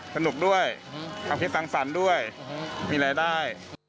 สนุกด้วยความคิดสังสรรค์ด้วยมีรายได้